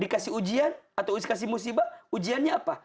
dikasih ujian atau dikasih musibah ujiannya apa